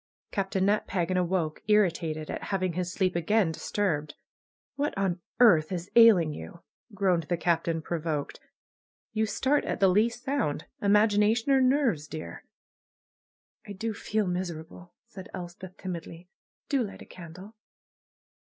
Captain Nat Pagan awoke, irritated at having his sleep again disturbed. ^^What on earth is ailing you?" groaned the Captain, provoked. ^^You start at the least sound. Imagina tion or nerves, dear?" 'H do feel miserable," said Elspeth timidly. ''Do light a candle!"